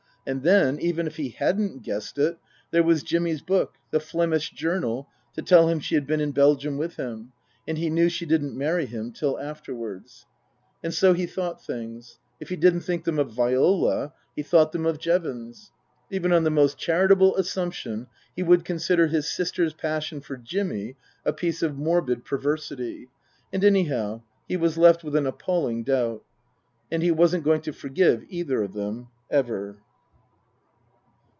And then, even if he hadn't guessed it, there was Jimmy's book, the " Flemish Journal," to tell him she had been in Belgium with him. And he knew she didn't marry him till afterwards. And so, he thought things. If he didn't think them of Viola he thought them of Jevons. (Even on the most charitable assumption he would consider his sister's passion for Jimmy a piece of morbid perversity.) And anyhow, he was left with an appalling doubt. And he wasn't going to forgive either of them, ever.